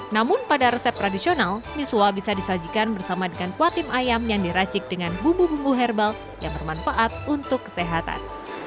namun pada resep tradisional misua bisa disajikan bersama dengan kuatim ayam yang diracik dengan bumbu bumbu herbal yang bermanfaat untuk kesehatan